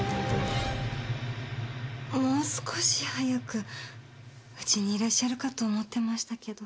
もう少し早くうちにいらっしゃるかと思ってましたけど。